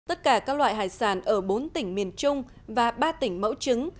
tất cả các loại hải sản ở bốn tỉnh miền trung và ba tỉnh mẫu trứng